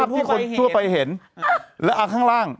ที่คนทั่วไปเห็นแล้วข้างล่าง